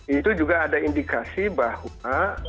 itu juga ada indikasi bahwa